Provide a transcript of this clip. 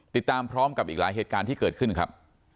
ติดตามพร้อมกับอีกหลายเหตุการณ์ที่เกิดขึ้นครับ